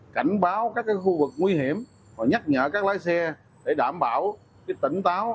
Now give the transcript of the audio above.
cảnh báo các khu vực nguy hiểm và nhắc nhở các lái xe để đảm bảo tỉnh táo